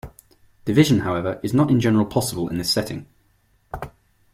Division, however, is not in general possible in this setting.